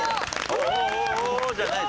「おお！」じゃない！